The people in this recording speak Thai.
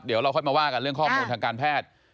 เดี๋ยวเราค่อยมาว่ากันเรื่องข้อมูลทางการแพทย์